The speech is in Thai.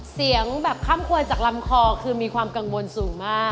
เสียงแบบค่ำควรจากลำคอคือมีความกังวลสูงมาก